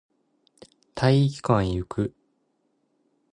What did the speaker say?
体育館へ行く